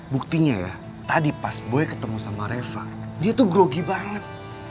buktinya ya tadi pas boy ketemu sama reva dia tuh grogi banget